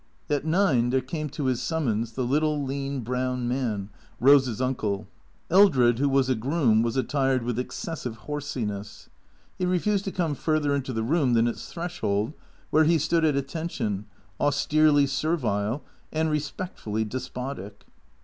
At nine there came to his summons the little, lean, brown man, Rose's uncle. Eldred, who was a groom, was attired with excessive horsiness. He refused to come further into the room than its threshold, where he stood at attention, austerely servile, and respectfully despotic.